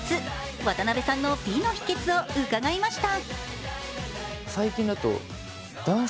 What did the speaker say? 渡辺さんの美の秘訣を伺いました。